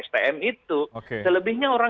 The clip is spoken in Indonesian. stm itu selebihnya orang